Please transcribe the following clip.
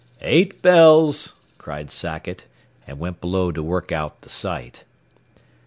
"Eight bells," cried Sackett, and went below to work out the sight.